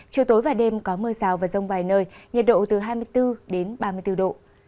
chiều tối và đêm có mưa rào và rông vài nơi nhiệt độ từ hai mươi bốn đến ba mươi bốn độ